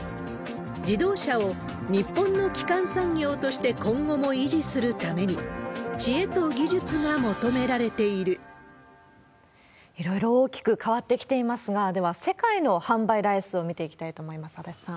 自動車を日本の基幹産業として今後も維持するために、いろいろ大きく変わってきていますが、では、世界の販売台数を見ていきたいと思います。